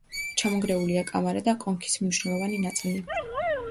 ჩამონგრეულია კამარა და კონქის მნიშვნელოვანი ნაწილი.